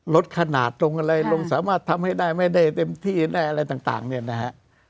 ลดขนาดตรงอะไรลงสามารถทำให้ได้ไม่ได้เต็มที่ได้อะไรต่างเนี่ยนะฮะ